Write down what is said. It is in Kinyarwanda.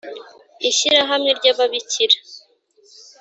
ishyirahamwe ry ababikira